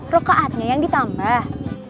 rokaatnya yang ditambah